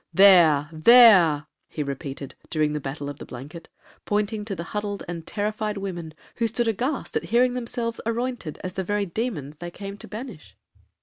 'There, there,' he repeated, (during the battle of the blanket), pointing to the huddled and terrified women, who stood aghast at hearing themselves arointed as the very demons they came to banish.